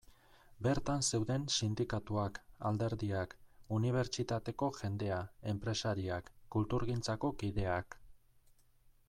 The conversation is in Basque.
Bertan zeuden sindikatuak, alderdiak, unibertsitateko jendea, enpresariak, kulturgintzako kideak...